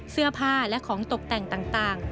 เสื้อผ้าและของตกแต่งต่าง